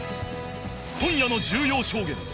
今夜の重要証言